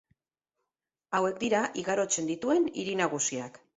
Hauek dira igarotzen dituen hiri nagusiak.